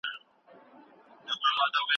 فرضیه یې د څېړنې بنسټیزه برخه ده.